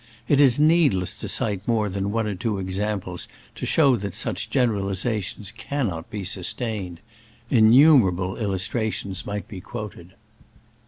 It is needless to cite more than one or two examples to show that such generalizations cannot be sustained. Innumerable illustrations might be quoted.